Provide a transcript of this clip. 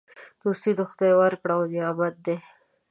دوستي د خدای ورکړی نعمت دی.